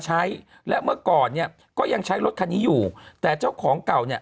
ใช้และเมื่อก่อนเนี่ยก็ยังใช้รถคันนี้อยู่แต่เจ้าของเก่าเนี่ย